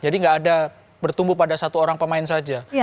jadi tidak ada bertumbuh pada satu orang pemain saja